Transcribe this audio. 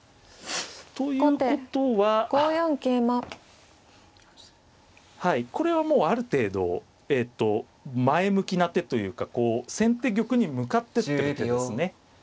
ということははいこれはもうある程度前向きな手というかこう先手玉に向かってってる手ですね。